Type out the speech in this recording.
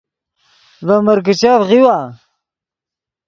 ڤے مرکیچف غیؤوا